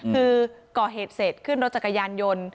คือก่อเหตุเสร็จขึ้นรถจักรยานยนต์